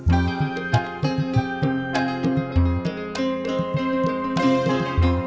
ya udah tidur